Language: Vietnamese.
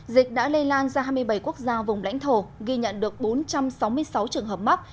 dịch đã lây lan ra hai mươi bảy quốc gia vùng lãnh thổ ghi nhận được bốn trăm sáu mươi sáu trường hợp mắc